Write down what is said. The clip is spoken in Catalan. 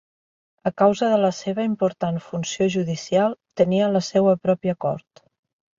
A causa de la seua important funció judicial, tenia la seua pròpia cort.